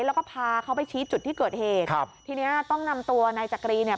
แล้วก็พาเขาไปชี้จุดที่เกิดเหตุครับทีเนี้ยต้องนำตัวนายจักรีเนี่ย